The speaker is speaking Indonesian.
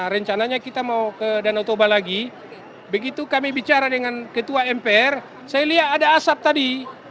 rencananya kita mau ke danau toba lagi begitu kami bicara dengan ketua mpr saya lihat ada asap tadi